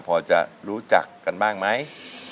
พอจะรู้จักกันบ้างไหม